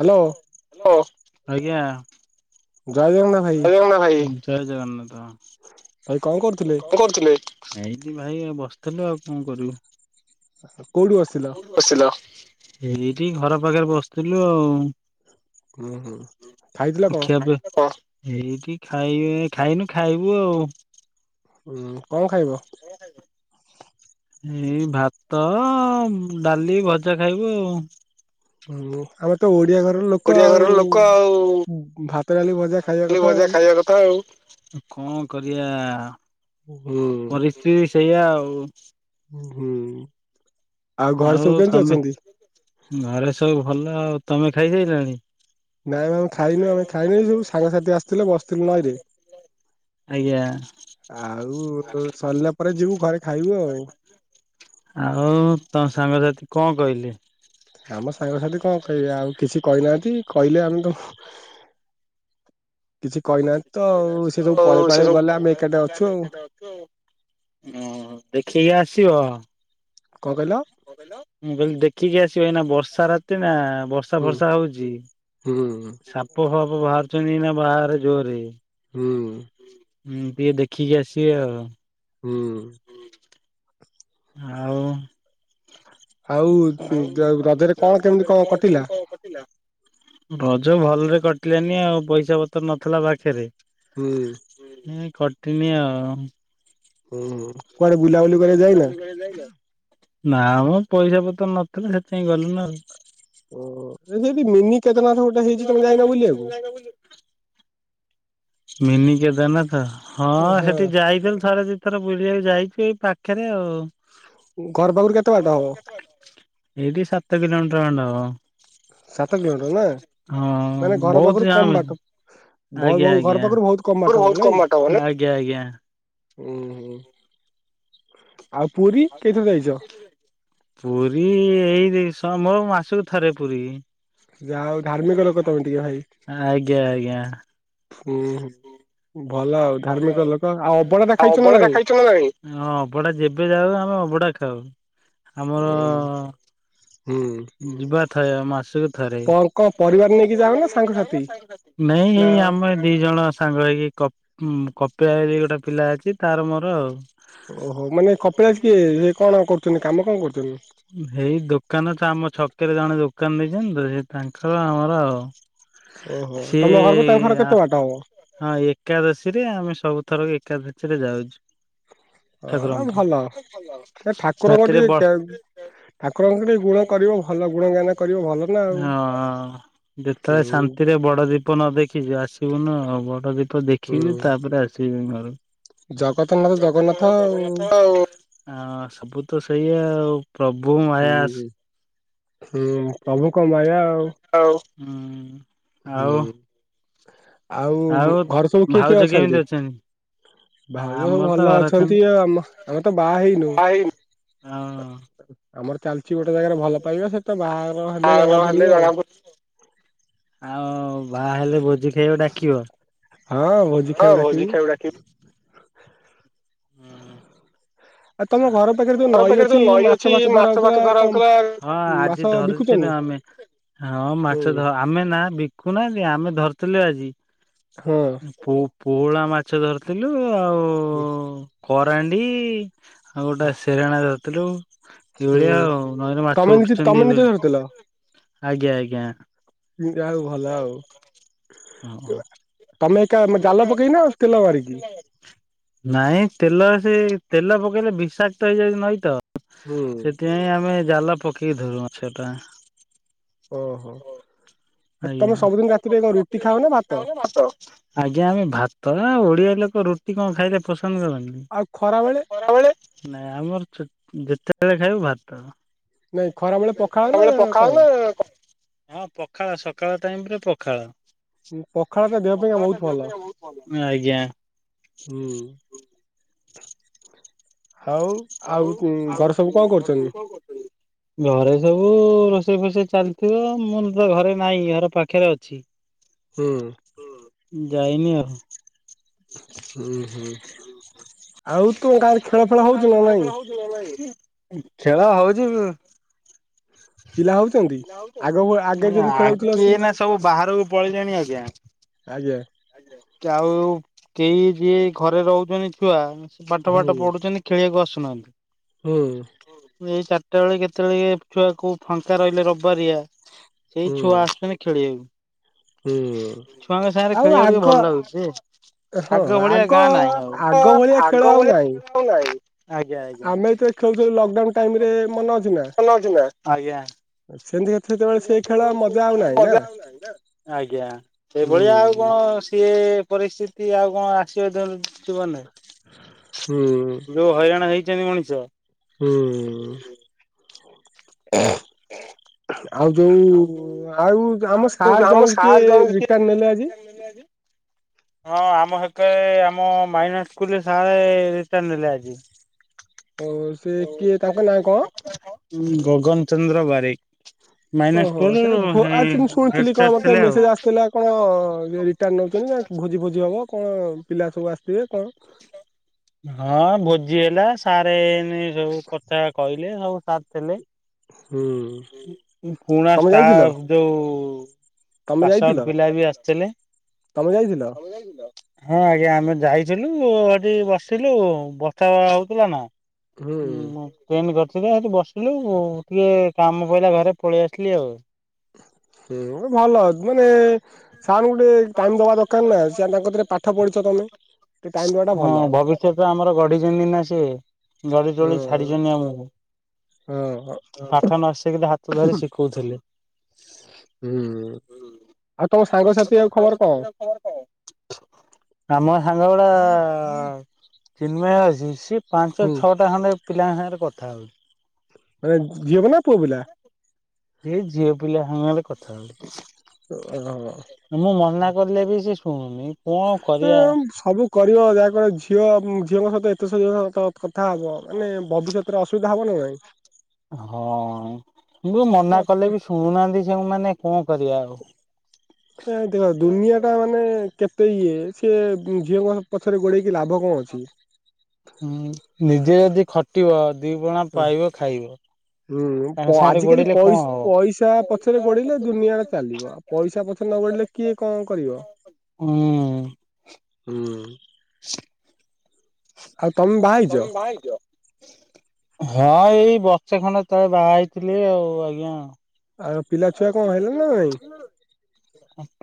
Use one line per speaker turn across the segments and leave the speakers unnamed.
Hello
ଆଜ୍ଞା
ଜୟ ଜଗନ୍ନାଥ ଭାଇ
[unintelligible] ଭାଇ। ଜୟ ଜଗନ୍ନାଥ
ଭାଇ କଣ କରୁଥିଲେ
[unintelligible] ଏଇତି ଭାଇ ଆଉ ବସିଥିଲୁ ଆଉ କଣ କରିବୁ?
କୋଉଠି ବସିଥିଲ?
ଏଇଠି ଘର ପାଖରେ ବସିଥିଲୁ ଆଉ।
ହୁଁ, ହୁଁ ଖାଇଥିଲ
[unintelligible]
କଣ
[unintelligible] ଏଇଠି ଖାଇବେ ଖାଇନୁ ଖାଇବୁ ଆଉ।
ଉଁ, କଣ ଖାଇବ?
ଏଇ ଭାତ ଡାଲି ଭଜା ଖାଇବୁ ଆଉ।
ହ୍ନୁ [unintelligible] ତ ଓଡିଆ ଘର ର ଲୋକ ଆଉ ଭାତ ଡାଲି ଭଜା ଖାଇବା କଥା ଆଉ।
କଣ କରିବା।
ହୁଁ
ପରିସ୍ଥିତି ସେୟା ଆଉ।
ହୁଁ ଆଉ ଘରେ ସବୁ କେମିତି ଅଛନ୍ତି?
ଘରେ ସବୁ ଭଲ ଆଉ ତମେ ଖାଇସାଇଲଣି?
ନାଇଁ ମ ଖାଇନୁ ଆମେ ଖାଇନି ସବୁ ସାଙ୍ଗସାଥି ଆସିଥିଲେ ବସିଥିଲୁ ନଈଁରେ।
ଆଜ୍ଞା
ଆଉ ସରିଲା ପରେ ଯିବୁ ଘରେ ଖାଇବୁ ଆଉ।
ଆଉ ତମ ସାଙ୍ଗସାଥି କଣ କହିଲେ?
ଆମ ସାଙ୍ଗସାଥି କଣ କହିବେ ଆଉ କିଛି କହିନାହାନ୍ତି କହିଲେ ଆମେ ତ କିଛି କହିନାହାନ୍ତି ତ
କିଛି କହି
ଆଉ ସେ
ନାହାନ୍ତି ତ
ସବୁ ପଳେଇ
ଆଉ ସେ
ପାଳେଇ
ସବୁ
ଗଲେ
ପଳେଇ
ଆମେ
ପାଳେଇ
ଏକାଠି
ଗଲେ
ଅଛୁ
ଆମେ
ଆଉ
ଏକାଠି ଅଛୁ। ଅହ ଦେଖିକି ଆସିବ।
କଣ କହିଲ?
ମୁଁ କହିଲି ଦେଖିକି ଆସିବ ଏଇନା ବର୍ଷା ରାତି ନା ବର୍ଷା ବର୍ଷା
ହୁଁ
ଫର୍ଷା ହଉଜି
ହୁଁ।
ସାପ ଫାପ ବାହାରୁଛନ୍ତି ନା ବାହାରେ ଜୋରରେ।
ହୁଁ
ହୁଁ ଟିକେ ଦେଖିକି ଆସିବେ ଆଉ।
ହୁଁ
ଆଉ
ଆଉ ରଜରେ କଣ କେମିତି କଣ କଟିଲା?
ଭଜ ଭଲରେ କଟିଲାନି ଆଉ ପଇସା ପତ୍ର ନଥିଲା ପାଖରେ।
ହୁଁ
ଏ କଟିିନି ଆଉ।
କୁଆଡେ ବୁଲାବୁଲି କରିବାକୂ ଯାଇନ?
[unintelligible] ନା ମ ପଇସା ପତ୍ର ନଥିଲା ସେଥିପାଇଁ ଗଲୁ ନା ଆଉ।
ଓ ସେଇଠି ମିନି କେଦାରନାଥ ଗୋଟେ ହେଇଛି ତମେ ଯାଇନ ବୁଲିବାକୁ।
[unintelligible] ମିନି କେଦାରନାଥ ହଁ
ହଁ
ସେଠି ଯାଇଥିଲି ଥରେ ଥର ବୁଲିବାକୁ ଯାଇଛି ଏଇ ପାଖରେ ଆଉ।
ଘର ପାଖରୁ କେତେ ବାଟ ହବ?
ଏଇଢ଼ି ସାତ କିଲୋମିଟର ଖଣ୍ଡେ
ସାତ କିଲୋମିଟର ନା
ହବ। ହଁ
ମାନେ ଘର ପାଖରୁ
ବହୁତ
କମ
ଜାମେ
ବାଟ ଭ
ଆଜ୍ଞା-
ବହୁ
ଆଜ୍ଞା।
ଘର
[unintelligible]
ପାଖରୁ ବହୁତ କମ ବାଟ ହବ
ଆଜ୍ଞା
ନାଇଁ
ଆଜ୍ଞା।
ହୁଁ, ହୁଁ ଆଉ ପୁରୀ କେଥର ଯାଇଛ?
ପୁରୀ ଏଇ ସମ ମୋ ମାସକୁ ଥରେ ପୁରୀ।
ଯାହୋଉ ଧାର୍ମିକ ଲୋକ ତମେ ଟିକେ ଭାଇ।
ଆଜ୍ଞା ଆଜ୍ଞା।
ହୁଁ ହୁଁ ଭଲ ଆଉ। ଧାର୍ମିକ ଲୋକ ଅବଢା ଟା
ଆଉ
ଖାଇଛ ନା
ଅବଢାଟା
ନାଇଁ?
ଖାଇଚନ୍ତି ନା ନାଇଁ? ହଁ ଅଭଡ଼ା ଯେବେ ଯାଉ ଆମେ ଅଭଡ଼ା ଖାଉ। ଆମର
ଉଁ ହୁଁ।
ଯିବା ଥାଏ ଆ ମାସକୁ ଥରେ
କଣ କଣ ପରିବାର ନେଇକି ଯାଅ ନା ସାଙ୍ଗସାଥି
ନାଇଁ ଏଇ
ନା
ଆମେ ଦିଜଣ ସାଙ୍ଗ ହେଇକି କ-କପିସରେ ଗୋଟେ ପିଲା ଅଛି ତାର ମୋର ଆଉ।
ଓହୋ ମାନେ କପିଳାସ କିଏ ସେ କଣ କରୁଚନ୍ତି କାମ କଣ କରୁଚନ୍ତି?
ହେଇ ଦୋକାନ ତ ଆମ ଛକିରେ ଜଣେ ଦୋକାନ ଦେଇଚନ୍ତି ତ ସେ ତାଙ୍କର ଆମର ଆଉ।
ଓହୋ
ସିଏ
ତମ ଘରକୁ ତାଙ୍କ ଘର କେତେ ବାଟ ହବ?
ହଁ ଏକାଦଶୀରେ ଆମେ ସବୁ ଥର ଏକାଦଶୀରେ ଯାଉଚୁ।
ହବ ହଁ
ଠାକୁରଙ୍କ
ଭଲ ସେ
ପାଖକକୁ
ଠାକୁରଙ୍କ
ରାତିରେ
ଟିକେ
ବର୍
ଠାକୁରଙ୍କ ଟିକେ ଗୁଣ କରିବ ଭଲ ଗୁଣ ଗାନ କରିବ ଭଲ ଆଉ
ନା ହଁ ହଁ। ଯେତେବେଳେ
ହୁଁ
ଶାନ୍ତିରେ ବଡଦୀପ ନ ଦେଖିଚି ଆସିବୁନୁ ଆଉ ବଡ ଦୀପ ଦେଖିବି
ହୁଁ
ତାପରେ ଆସ ସିବି ଘରକୁ।
ଜଗତନାଥ ଜଗନ୍ନାଥ ଆଉ
ଆଁ ସବୁ ତ ସେଇ ଆଉ ପ୍ରଭୁ ମାୟା ସ୍
ହୁଁ ହୁଁ ପ୍ରଭୁଙ୍କ ମାୟା ଆଉ
ହୁଁ ଆଉ
ହୁଁ।
ଆଉ
ଘରେ ସବୁ କିଏ କିଏ
ଭାଉଜ କେମିତି ଅଛନ୍ତି?
ଭାଉଜ ସବୁ
ଆମର
ଭଲ
ତ ଘରେ
ଅଛନ୍ତି ଆଉ ଆମ ଆମେ ତ ବାହା
ଅଛନ୍ତି
ହେଇନୁ
ହଁ।
ଆମର ଚାଲିଚି ଗୋଟେ ଜାଗାରେ ଭଲ ପାଇବା ସେ ତ ବାହାଘର ହେଲେ ଜଣା ପଡିବ ଆଉ।
ଆଉ ବାହା ହେଲେ ଭୋଜି ଖାଇବାକୁ
ହଁ ଭୋଜି ଖାଇବାକୁ ଡାକିବୁ
ଡାକିବ। ହୁଁ।
ଆଉ
ଆ
ଘର ପାଖରେ ଯୋଉ
ତମ ଘର
ନଈ
ପାଖରେ
ଅଛି
ଯୋଉ ନଈ ଅଛି
ଫାଛ ଧରା
ମାଛ
ହଉଥିଲା
ଫାଛ ଧରା
କଣ
ହୋଉଥୁଲା ଜି
ମାଛ
ଧରୁଥିଲେ
ବିକୁଛନ୍ତି?
ଆମେ ହଁ ମାଛ
ହୁଁ
ଧ ଆମେ ନା ବିକୁନାହାନ୍ତି ଆମେ ଧରିଥିଲୁ ଆଜି।
ହଁ।
ପୋ-ପୋହଳା ମାଛ ଧରିଥିଲୁ ଆଉ କରାଣ୍ଡି ଆଉ ଗୋଟେ ସେରାଣା ଧରିଥିଲୁ ଏଇଭଳିଆ
ହୁଁ
ଆଉ ନଈରେ
ତମେ
ମାଛ
ନିଜେ ତମେ
ଉଠୁଚନ୍ତି ଏବେ।
ନିଜେ ଧରିଥିଲ?
ଆଜ୍ଞା ଆଜ୍ଞା।
ହୁଁ ଯାହୋଉ ଭଲ ଆଉ। ତମେ ଏକା ଜାଲ ପକେଇନା ତେଲ ମାରିକି?
ହଁ। ନାଇଁ ତେଲ ସେ ତେଲ ପକେଇଲେ ବିଷାକ୍ତ ହେଇଯାଉଚି ନଈ ତ।
ଓହୋ।
ସେଇଁ ଆମେ ଜାଲ ପକେଇକି ଧରୁଁ ମାଛଟା।
ଓହୋ।
ତମେ ସବୁଦିନ ରାତିରେ ରୁଟି ଖାଅ ନା ଭାତ? ଆଜ୍ଞା ଆମେ ଭାତ ନା ଓଡିଆ ଲୋକ ରୁଟି କଣ ଖାଇଲେ ପସନ୍ଦ କରନ୍ତି।
ଆଉ ଖରା ବେଳେ
ନାଇଁ ଆମର ଚୁ ଯେତେବେଳେ ଖାଇବୁ ଭାତ।
ଖରା ବେଳେ
ନାଇଁ
ପଖାଳ ନା
ଖରାବେଳେ
କଣ?
ପଖାଳ ନା କଣ? ହଁ ପଖାଳ ସକାଳ ଟାଇମରେ ପଖାଳ।
ପଖାଳ ଟା ଦେହ ପାଇଁକା ବହୁତ
ପଖାଳଟା
ଭଲ
ଦେହ ପାଇଁ ବୋହୁତ
ହୁଁ।
ଭଲ।
ହହଉ ଆଉ କୁଁ ଘରେ ସବୁ କଣ କରୁଚନ୍ତି?
ଘରେ ସବୁ ରୋଷେଇ ଫୋଷେଇ ଚାଲିଥିବ ମୁଁ ତ ଘରେ ନାହିଁ ଘର ପାଖରେ ଅଛି।
ହୁଁ।
ଯାଇନି ଆଉ।
ହୁଁ ହୁଁ ଆଉ ତୁମ ଗାଁରେ ଖେଳ ଫେଳ ହୋଉଚି ନା ନାଇଁ?
ଖେଳ ହୋଉଚି ବୁ
ପିଲା ହୋଉଚନ୍ତି ଆଗଭ ଆଗେ ଯେମିତି ଖେଳ
ଆଗେ
ହୋଉଥିଲ ସେମତି
ଏଇନା ସବୁ ବାହାରକୁ
ଆଜ୍ଞା।
କିଏ ଆଉ କେହି ଯିଏ ଘରେ ରହୁଚନ୍ତି ଛୁଆ ସେ ପାଠ ଫାଠ
ହୁଁ
ପଢୁଚନ୍ତି। ଖେଳିବାକୁ ଆସୁନାହାନ୍ତି।
ହୁଁ।
ଏଇ ଚାରିଟା ବେଳେ କେତେବେଳେ ଇଏ ଛୁଆ କୋଉ ଫାଙ୍କା ରହିଲେ ରବିବାରିଆ ସେଇ
ହୁଁ
ଛୁଆ ଆସପେନି
ହୁଁ
ଖେଳିବାକୁ। ଛୁଆଙ୍କ ସାଙ୍ଗରେ
ଆଉ
ଖେଳିବାକୁ ଟିକେ
ଆଗ
ଭଲ ଲାଗୁଚି। ଆଗ ଭଳିଆ ଗାଁ ନାହିଁ ଆଉ।
ଆଗ ଭଳିଆ ଖେଳ ଆଉ ନାହିଁ
ଆଜ୍ଞା ଆଜ୍ଞା। ଆଜ୍ଞା।
ଆମେ ଯେତେବେଳେ ଖେଳୁଥିଲୁ
ଆଜ୍ଞା
ଲକଡାଉନ ଟାଇମ ରେ ମନେ ଅଛି ନା ସେମିତି ସେତେବେଳେ ସେଇ ଖେଳ ମଜା ଆଉ ନାହିଁ ନା
ସେଇଭଳିଆ ଆଉ
ହୁଁ
କଣ ସିଏ ପରିସ୍ଥି ତି ଆଉ କଁ ଆସିବ ଦୋନ ଜୀବନରେ
ହୁଁ
ଯୋଉ ହଇରାଣ ହେଇଚନ୍ତି ମଣିଷ।
ହୁଁ।
ହ
ଆଉ ଯୋଉ ଆଉ ଆମ ସାର୍ ଜଣେ କିଏ ରିଟାର ନେଲେ ଆଜି?
ହଁ ଆମ ହେକେରେ ଆମ ମାଇନସ୍କୁଲରେ ସାରେ ରିଟାଡ୍ ନେଲେ ଆଜି।
ଓହ ସେ କିଏ ତାଙ୍କ ନାଁ କଁ?
ଉଁ ଗଗନ ଚନ୍ଦ୍ର ବାରିକ। ମାଇନର
ଓହୋ
ସ୍କୁଲ
ସେ ଭୋ ଆଜି ମୁଁ
ହେଡ
ଶୁଣିଥିଲି କଁ
ସାର୍
ମତେ
ଥିଲେ ଆଉ।
ମେସେଜ ଆସିଥିଲା କଣ ଇଏ ରିଟାଡ୍ ନଉଚନ୍ତି ଭୋଜି ଫୋଜି ହବ କଁ ପିଲା ସବୁ ଆସିଥିବେ କଁ।
ହଁ ଭୋଜି ହେଲା ସାରେ ଏମୀ ସବୁ କଥା କହିଲେ ସବୁ ସାର୍ ଥିଲେ।
ହୁଁ
ଉ ପୁରୁଣା
ତମେ ଯାଇଥିଲ
ଷ୍ଟାଫ ଯୋଉ
ତମେ ଯାଇଥିଲ?
ଟାଇବି ଆସିଥିଲେ।
ତମେ ଯାଇଥିଲ?
ହଁ ଆଜ୍ଞା ଆମେ ଯାଇଥିଲୁ ମୁଁ ହେଟି ବଷ ଥିଲୁ ବଚା ହଉଥିଲା ନା
ହୁଁ
ଉମ ମୁଁ ଟେମ କରିଥଲା ହେଠି ବସିଲୁ ମୁ ଟିକେ କାମ ପହିଲା ଘରେ ପଳେଇ ଆସିଲି ଆଉ।
ହୁଁ ଭଲ ମାନେ ସାରଙ୍କୁ ଟିକେ ଟାଇମ ଦବା ଦକାର ନା ସିଆନ କତିରେ ପାଠ ପଢିଛ ତମେ ଟିକେ ଟାଇମ ଦବା ଟା ଭଲ।
ସେ ତ ଆମର ଗଢିଛନ୍ତି ନା ସେ ଗଢି ତୋଳି
ହୁଁ
ଛାଡିଚନ୍ତି ଆମକୁ।
ହଁ ହଁ।
ପାଠ ନ ଶିଖିଲେ ହାତ ଧରି ଶିଖଉଥିଲେ।
ହୁଁ ଆଉ ତମ ସାଙ୍ଗସାଥି ଆଉ ଖବର କଁ?
ଆମ ସାଙ୍ଗଉଡା ଚିନ୍ମୟ ଅଛି ସିଏ ପାଞ୍ଚ
ହୁଁ
ଛଅଟା ଖଣ୍ଡେ ପିଲାଙ୍କ ସାଙ୍ଗରେ କଥା ହଉ।
ମାନେ ଝିଅପିଲା ପୁଅ ପିଲା?
ଏଇ ଝିଅ ପିଲା ସାଙ୍ଗରେ କଥା ହଉ
ଓହ।
ମୁଁ ମନା କଲେବି ସେ ଶୁଣୁନି। କଣ କରିବା।
ଉଁ ସବୁ କରିବ ଯାହାକର ଝିଅ ଝିଅଙ୍କ ସହିତ ଏତେ ସ [unintelligible] କଥା ହବ ମାନେ ଭବିଷ୍ୟତରେ ଅସୁବିଧା ହବ ନା ନାଇଁ।
ହଁ ମୁ ମନା
ନାଇଁ
କଲେ ବି ଶୁଣୁନାହାନ୍ତି ସେମାନେ କଁ କରିବା ଆଉ?
ଏ ଦେଅ ଦୁନିଆ ଟା ମାନେ କେତେ ଇଏ ସିଏ ଝିଅଙ୍କ ପଛରେ ଗୋଡେଇକି ଲାଭ କଁ ଅଛି?
ହୁଁ ନିଜେ ଯଦି ଖଟିବ ଦି ପଣ ପାଇବ ଖାଇବ।
ହୁଁ
ତାଙ୍କ
ପ
ସାଙ୍ଗରେ
ଆଜିକାଲି
ଗୋଡେଇଲେ କଣ
ପଇସ
ହବ?
ପଇସା ପଛରେ ଗୋଢେଇଲେ ଦୁନିଆ ଚାଲିବ ପଇସା ପଛରେ ନଗୋଇଲେ କିଏ କଁ କରିବ
ହୁଁ
ହୁଁ। ଆଉ ତମେ
ତମେ ବାହା
ହେଇଛ
ତମେ ବାହା ହେଇଚ? ହଁ ଏଇ ବଚେ ଖଣ୍ଡେ ତଳେ ବାହା ହେଇଥିଲି ଆଉ ଆଜ୍ଞା।
ଆଉ ପିଲା ଛୁଆ କଁ ହେଇଲା ନାଇଁ?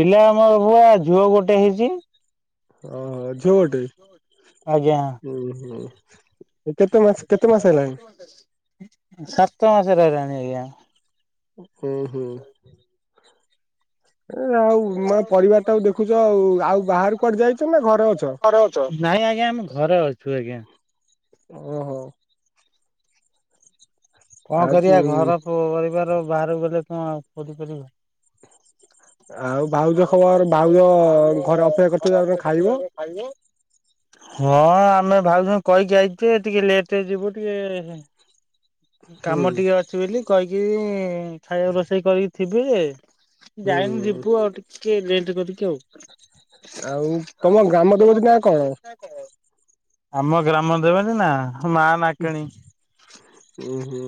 ପିଲା ଆମର ଘୁଆ ଝୁଅ ଗୋଟେ ହେଇଚି।
ଓହୋ ଝୁଅଟେ
ଆଜ୍ଞା
ଉଁ ହୁଁ। ଏ କେତେ ମାସ କେତେ ମାସ ହେଲାଣି?
କ ସାତ ମାସର ହେଲାଣି ଆଜ୍ଞା।
ଉଁ ହୁଁ। ଏ ଆଉ ମା ପରିବାର ଟାକୁ ଦେଖୁଛ ଆଉ ଆଉ ବାହାରକୁ କୁଆଡ଼େ ଯାଇଛ ନା ଘରେ ଅଛ?
ନାଇଁ ଆଜ୍ଞା ଆମେ ଘରେ ଅଛୁ ଆଜ୍ଞା।
ଓହୋ।
କଣ
ଆଉ ତୁ
କରିବା ଘର ପରିବାର ବାହାରକୁ ଗଲେ କଣ କରି ପାରିବା।
ଆଉ ଭାଉଜ ଖବର ଭାଉଜ ଘରେ ଅପେକ୍ଷା କରିଥିବେ ଏବେ ଖାଇବ।
ଖାଇବ। ହଁ ଆମେ ଭାଉଜ ଙ୍କୁ କହିକି ଆଇଚୁ ଯେ ଟିକେ ଲେଟ୍ ରେ ଯିବୁ ଟିକେ
ହୁଁ
କାମ ଟିକେ ଅଛି ବୋଲି କହିକିରି ଖାଇବା ରୋଷେଇ କରିକି ଥିବେ।
ହୁଁ
ଯାଇନୁ ଯିବୁ ଆଉ ଟିକେ ଲେଟ୍ କରିକି ଆଉ।
ଆଉ ତମ ଗ୍ରାମ ଦେବତି ନା କଣ?
ଆମ ଗ୍ରାମ ଦେବତି ନା ମା ନାକେଣୀ।
ଉଁ ହୁଁ।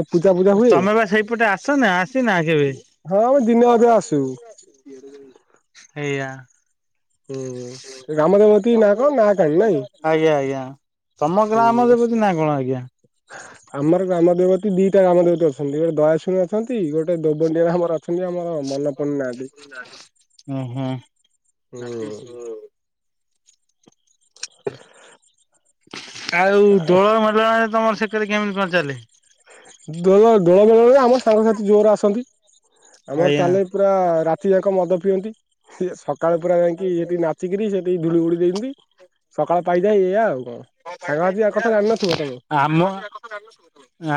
ଏ ପୂଜା ଫୂଜା ହୁଏ?
ତମେ ବା ସେଇପଟେ ଆସ ନା ଆସିନା କେବେ? ଆଜ୍ଞା।
ହୁଁ ଗ୍ରାମ ଦେବତୀ ନାଁ କଣ ନାଁ କାଣୀ ନାଇଁ
ଆଜ୍ଞା ଆଜ୍ଞା। ତମ ଗ୍ରାମ ଦେବତି ନା କଣ ଆଜ୍ଞା?
ହ ଆମର ଗ୍ରାମ ଦେବତି ଦିଟା ଗ୍ରାମ ଦେବତୀ ଅଛନ୍ତି ଗୋଟେ ଦୟାଶୁଣୀ ଅଛନ୍ତି ଗୋଟେ ଦୋବଡିଆ ଆମର ଅଛନ୍ତି ଆମ
ଓ ହୋ।
ହୁଁ
ଆଉ ଦୋଳ ମେଲଣରେ ତମର ସେକରେ କେମିତି କଣ ଚାଲେ?
ଦୋଳ ଦୋଳ ମେଲଣରେ ଆମର ସାଙ୍ଗସାଥି ଜୋର ଆସନ୍ତି ଆମର
ଆଜ୍ଞା
ଚାଲେ ପୁରା ରାତି ଯାକ ମଦ ପିଅନ୍ତି ସିଏ ସକାଳ ପୁରା ଯାଇକି ହେଠି ନା ଛିକିରି ସେଠି ଧଝଳି ବୁଳି ଦିଅନ୍ତି ସକାଳ ପାଇଯାଏ ଏଇଆ ଆଉ କଣ। ସାଙ୍ଗ [unintelligible] କଥା ଜାଣି ନଥିବ ତମେ।
ଆମ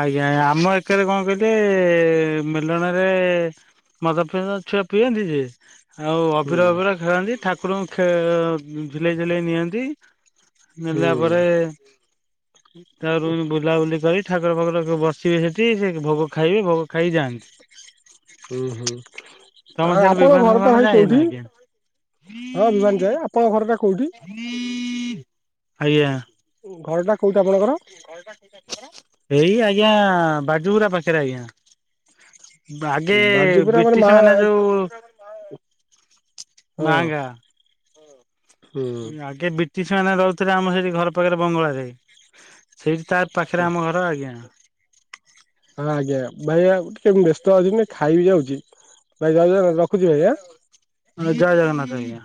ଆଜ୍ଞା ଆଜ୍ଞା ଆମ ଏକରେ କଣ କହିଲେ ମେଲଣରେ ମଦ ଫଦ ଛୁଆ ପିଅନ୍ତି ଯେ ଆଉ
ହୁଁ
ଅବିର ଫବିର ଖେଳନ୍ତି ଠାକୁରଙ୍କୁ ଖେ ଅ ଝୁଲେଇ ଝୁଲେଇ ନିଅନ୍ତି।
ହୁଁ
[unintelligible] ଏ ତାପରେ ଉମ୍ ବୁଲାବୁଲି କରି ଠାକୁର ଫାକୁର ବସ୍ ସିବେ ସେଠି ସେ ଭୋଗ ଖାଇବେ ଭୋଗ ଖାଇକି ଯାଆନ୍ତି।
ଉଁ ହୁଁ।
ତମ
ଆଉ
ସିଆଡେ
ଆପଣଙ୍କ
ବିମାନ ଫିମାନ
ଘରଟା ଭାଇ
ଯାଏ ନା
କୋଉଠି
କି?
ହଁ ବିମାନ ଯାଏ ଆପଣଙ୍କ ଘରଟା କୋଉଠି? ଘରଟା କୋଉଠି ଆପଣଙ୍କର
ଆଜ୍ଞା। ଏଇ ଆଜ୍ଞା ବାଜୁପୁରା ପାଖେରେ ଆଜ୍ଞା। ଆଗେ
ବାଜିପୁରା ମା
ବ୍ରିଟିଶ ମାନେ
ହଁ
ଯୋଉ ମାଙ୍ଗା
ହୁଁ।
ଗେ ବ୍ରିଟିଶ ମାନେ ରହୁଥିଲେ ଆମର ସେଠି ଘର ପାଖେରେ ବଙ୍ଗଳାରେ। ସେଇଠି ତା ପାଖେରେ
ହଁ
ଆମ ଘର ଆଜ୍ଞା।
ହଁ ଆଜ୍ଞା ଭାଇ ଆଉ ଟିକେ ମୁଁ ବ୍ୟସ୍ତ ଅଛି ଏଇନେ ଖାଇବି ଯାଉଛି ଭାଇ [unintelligible]
ହଁ ଜୟ ଜଗନ୍ନାଥ ଆଜ୍ଞା।